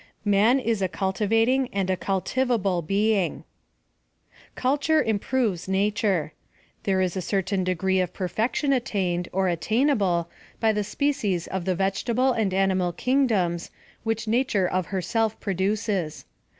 Man is a cultivating and a cultivable being. Culture improves nature. There is a certain degree of perfection attained, or attainable, by the species of the vegetable and animal kingdoms, which nature of herself produces.